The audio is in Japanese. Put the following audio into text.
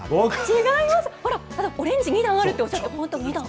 違います、ほら、オレンジ２段あるっておっしゃった。